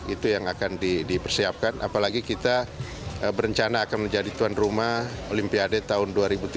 itu yang akan dipersiapkan apalagi kita berencana akan menjadi tuan rumah olimpiade tahun dua ribu tiga puluh